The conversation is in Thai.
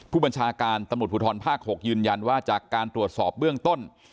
ผู้บัญชาการตำรวจภูทรภาค๖ยืนยันว่าจากการตรวจสอบเบื้องต้น